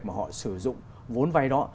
mà họ sử dụng vốn vay đó